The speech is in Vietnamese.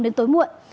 đến tối muộn